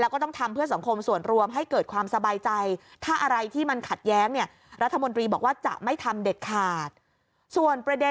ก็ต้องทำให้เกิดความยุติธรรมสูงสุด